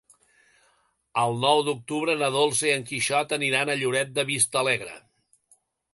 El nou d'octubre na Dolça i en Quixot aniran a Lloret de Vistalegre.